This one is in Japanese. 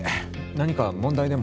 何か問題でも？